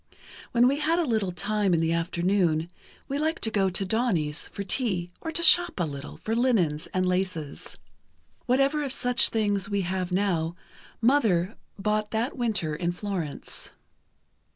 When we had a little time in the afternoon, we liked to go to Doni's, for tea, or to shop a little, for linens and laces. Whatever of such things we have now, Mother bought that winter in Florence.